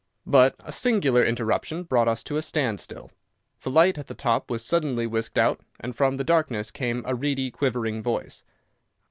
But a singular interruption brought us to a standstill. The light at the top was suddenly whisked out, and from the darkness came a reedy, quivering voice.